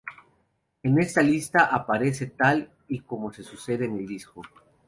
En esta lista aparece tal y como se suceden en el disco.